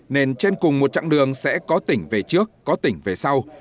nên trên cùng một chặng đường sẽ có tỉnh về trước có tỉnh về sau